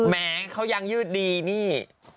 แม้เขายังยืดดีนี่